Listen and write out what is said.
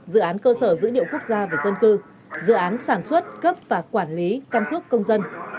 dự án cơ sở giữ điệu quốc gia và dân cư dự án sản xuất cấp và quản lý căn cước công dân